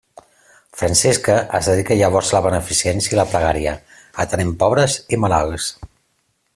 Francisca es dedicà llavors a la beneficència i la pregària, atenent pobres i malalts.